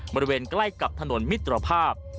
บริเวณใกล้กับถนนมิตรภาพ